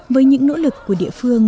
với những nỗ lực của địa phương